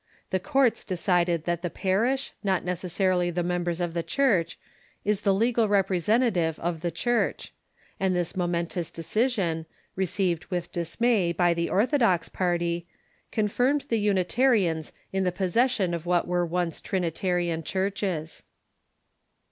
The courts decided that the parish, not necessarily the members of the Church, is the legal representative of the Church, and this momentous decision, received with dismay by the orthodox party, confirmed the Unitarians in the posses sion of what Avere once Trinitarian churches.